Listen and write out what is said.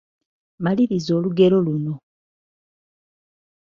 Maliriza olugero luno.